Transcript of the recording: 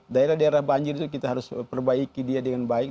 daerah daerah banjir itu kita harus perbaiki dia dengan baik